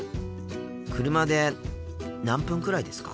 車で何分くらいですか？